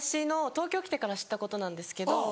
東京来てから知ったことなんですけど。